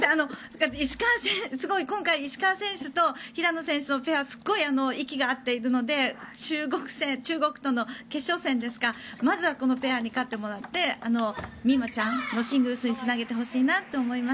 今回、石川選手と平野選手の息がすごく合っているので中国との決勝戦まずはこのペアに勝ってもらって美誠ちゃんのシングルスにつなげてほしいなと思います。